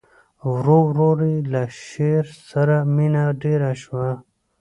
ورو ورو یې له شعر سره مینه ډېره شوه